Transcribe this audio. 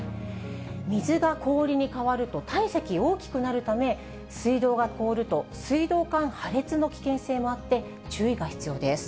水が氷に変わると、体積大きくなるため、水道が凍ると、水道管破裂の危険性もあって、注意が必要です。